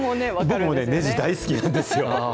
僕もね、ねじ大好きなんですよ。